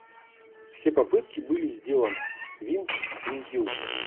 Все попытки были сделаны, винт свинтился.